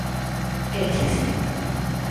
Éche así.